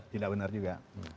tidak benar juga